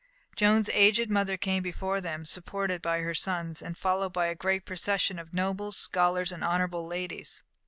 Joan's aged mother came before them, supported by her sons, and followed by a great procession of nobles, scholars, and honourable ladies.